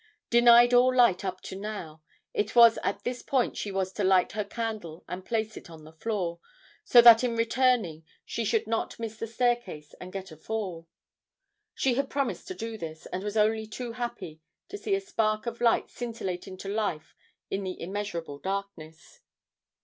Denied all light up to now, it was at this point she was to light her candle and place it on the floor, so that in returning she should not miss the staircase and get a fall. She had promised to do this, and was only too happy to see a spark of light scintillate into life in the immeasurable darkness.